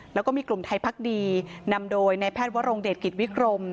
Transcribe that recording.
แล้วก็มีกลุ่มไทยพักดีนำโดยนายแพทย์วรงเดชกิจวิกรม